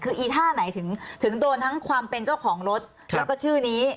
คืออีท่าไหนถึงโดนทั้งความเป็นเจ้าของรถแล้วก็ชื่อนี้